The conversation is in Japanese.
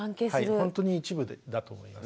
ほんとに一部だと思います。